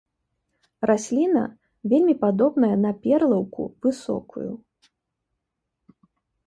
Расліна вельмі падобная на перлаўку высокую.